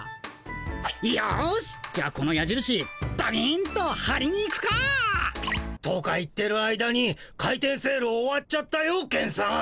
よしじゃあこのやじるしバビンとはりに行くか。とか言ってる間に開店セール終わっちゃったよケンさん。